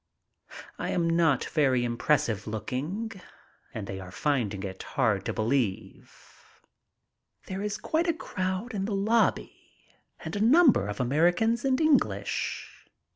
I am not very impressive looking and they are finding it hard to believe. There is quite a crowd in the lobby and a number of Americans and English.